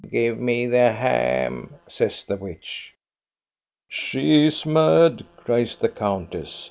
" Give me the ham," says the witch. " She is mad," cries the countess.